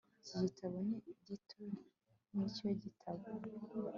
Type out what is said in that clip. Iki gitabo ni gito nkicyo gitabo